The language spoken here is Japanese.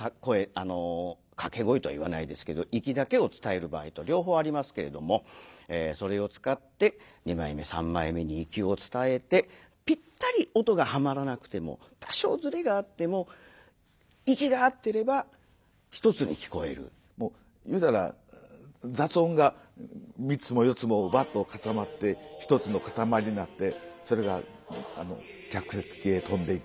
掛け声とは言わないですけどイキだけを伝える場合と両方ありますけれどもそれを使って二枚目三枚目にイキを伝えてぴったり音がはまらなくても多少ずれがあってももういうたら雑音が３つも４つもわっと重なって１つのかたまりになってそれが客席へ飛んでいく。